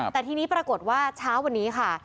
แต่ทีนี้ปรากฏว่าเช้าวันนี้ค่ะ